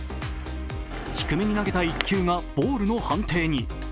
低めに投げた一球がボールの判定に。